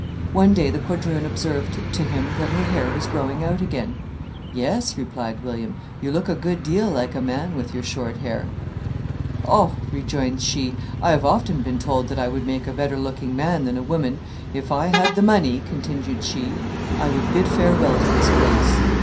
One day the quadroon observed to him that her hair was growing out again. "Yes," replied William, "you look a good deal like a man with your short hair." "Oh," rejoined she, "I have often been told that I would make a better looking man than a woman. If I had the money," continued she, "I would bid farewell to this place."